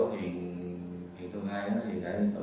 bọn tửta vẫn d cheese